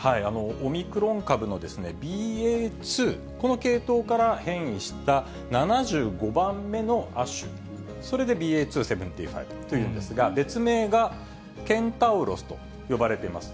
オミクロン株のＢＡ．２、この系統から変異した７５番目の亜種、それでＢＡ．２．７５というんですが、別名がケンタウロスと呼ばれています。